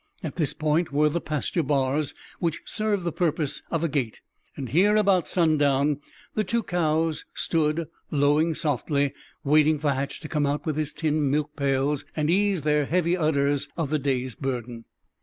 At this point were the pasture bars, which served the purpose of a gate; and here, about sundown, the two cows stood lowing softly, waiting for Hatch to come with his tin milk pails and ease their heavy udders of the day's burden.